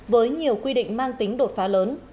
với nhiều quy định mang tính đột phá lớn